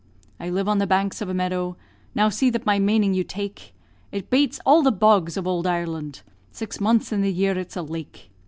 I live on the banks of a meadow, Now see that my maning you take; It bates all the bogs of ould Ireland Six months in the year it's a lake.